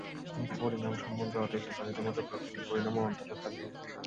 পরিণাম সম্বন্ধে অদ্বৈতবাদীর মত প্রকৃতির পরিণাম ও অন্তরাত্মার প্রকাশ।